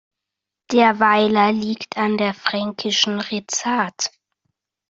Der Weiler liegt an der Fränkischen Rezat.